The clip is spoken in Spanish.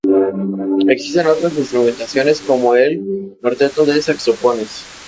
Existen otras instrumentaciones como el cuarteto de saxofones.